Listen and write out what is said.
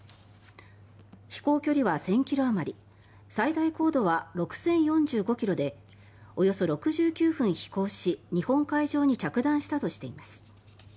飛行距離は１０００ｋｍあまり最高高度は６０４５ｋｍでおよそ６９分飛行し、日本海上に着弾したとしています。